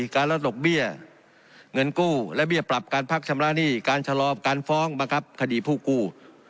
การลดดอกเบี้ยเงินกู้และเบี้ยปรับการพักชำระหนี้การชะลอการฟ้องบังคับคดีผู้กู้